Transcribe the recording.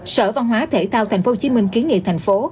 sở văn hóa thể thao tp hcm kiến nghị thành phố